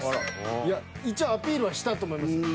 いや一応アピールはしたと思います。